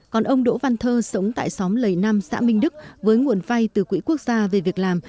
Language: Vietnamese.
còn ông đỗ văn thơ sống tại xóm lầy năm xã minh đức với nguồn vay từ quỹ quốc gia về việc làm